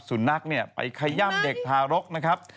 สุนัขเนี่ยไปขย่ำเด็กทารกนะครับ